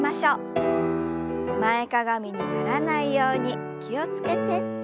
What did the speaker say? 前かがみにならないように気を付けて。